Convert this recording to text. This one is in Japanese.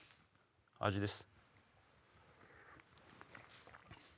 味です。